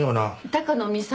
高野美咲。